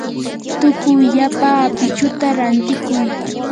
tupuyllapa apichuta rantikuy.